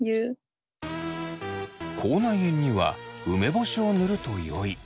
口内炎には梅干しを塗るとよい。